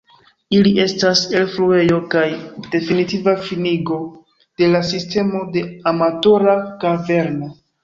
Ili estas elfluejo kaj definitiva finigo de la sistemo de Amatora kaverno.